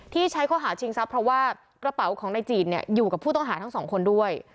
ใช้ข้อหาชิงทรัพย์เพราะว่ากระเป๋าของนายจีนอยู่กับผู้ต้องหาทั้งสองคนด้วย